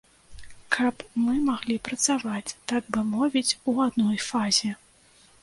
Каб мы маглі працаваць, так бы мовіць, у адной фазе.